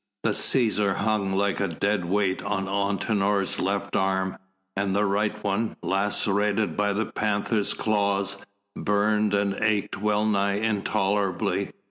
The Cæsar hung like a dead weight on Antinor's left arm, and the right one, lacerated by the panther's claws, burned and ached well nigh intolerably.